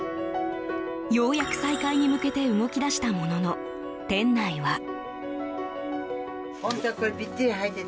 ようやく再開に向けて動き出したものの、店内は。